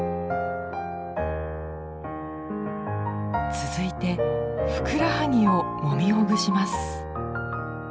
続いてふくらはぎをもみほぐします。